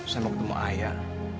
saya mau ketemu ayah